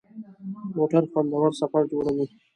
موټر خوندور سفر جوړوي.